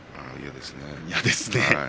嫌ですね。